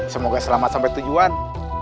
semoga selamat sampai tujuan